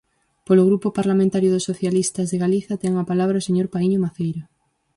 Polo Grupo Parlamentario dos Socialistas de Galicia, ten a palabra o señor Paíño Maceira.